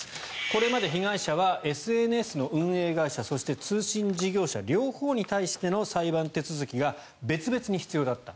これまで被害者はＳＮＳの運営会社そして通信事業者両方に対しての裁判手続きが別々に必要だった。